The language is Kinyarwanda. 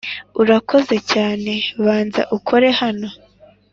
urakora cyane banza ukore hano